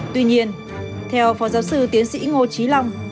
tuy nhiên theo phó giáo sư tiến sĩ ngô trí long